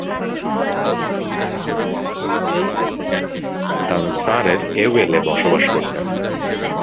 তারা সারের এওয়েলে বসবাস করতেন।